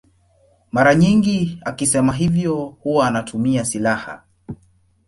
Mara nyingi akisema hivyo huwa anatumia silaha.